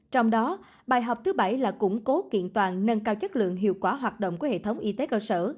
trong đó bài học thứ bảy là củng cố kiện toàn nâng cao chất lượng hiệu quả hoạt động của hệ thống y tế cơ sở